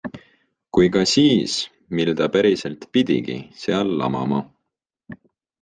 Kui ka siis, mil ta päriselt pidigi seal lamama.